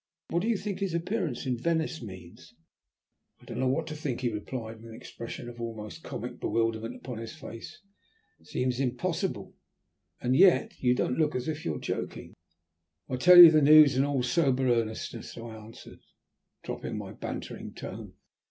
What do you think his appearance in Venice means?" "I don't know what to think," he replied, with an expression of almost comic bewilderment upon his face. "It seems impossible, and yet you don't look as if you were joking." "I tell you the news in all sober earnestness," I answered, dropping my bantering tone.